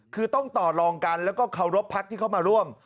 คือต้องต่อลองกันแล้วก็เคารพพักที่เข้ามาร่วม